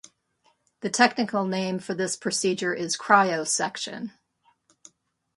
The technical name for this procedure is cryosection.